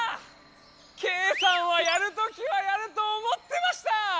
ケイさんはやるときはやると思ってました！